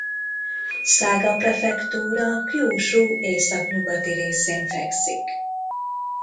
Szaga prefektúra Kjúsú északnyugati részén fekszik.